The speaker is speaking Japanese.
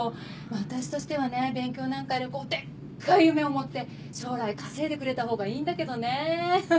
私としてはね勉強なんかよりデッカい夢を持って将来稼いでくれたほうがいいんだけどねフ